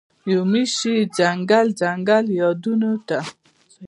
یومي شي ځنګل، ځنګل یادونوته